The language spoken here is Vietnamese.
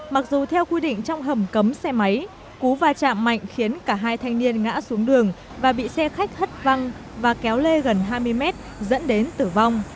mặc dù theo quy định trong hầm cấm xe máy cú va chạm mạnh khiến cả hai thanh niên ngã xuống đường và bị xe khách hất văng và kéo lê gần hai mươi mét dẫn đến tử vong